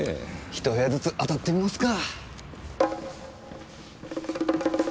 ひと部屋ずつ当たってみますか。